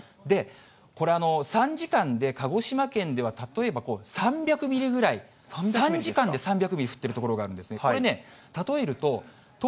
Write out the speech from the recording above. これ、３時間で鹿児島県では例えば３００ミリぐらい、３時間で３００ミリ降ってる所があるんですね。